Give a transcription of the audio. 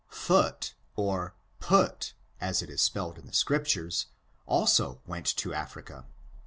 Phut, or Put^ as it is spelled in the Scriptures, went also to Africa.